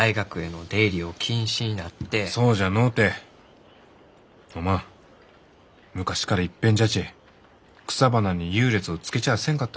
そうじゃのうておまん昔からいっぺんじゃち草花に優劣をつけちゃあせんかったろう？